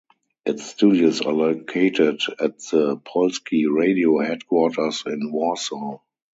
Its studios are located at the Polskie Radio headquarters in Warsaw.